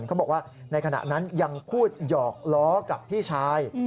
เขาบอกว่าในขณะนั้นยังพูดหยอกล้อกับพี่ชาย